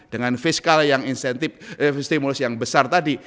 dengan fiskal yang insentif stimulus yang besar tadi